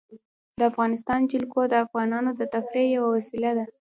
د افغانستان جلکو د افغانانو د تفریح یوه وسیله ده.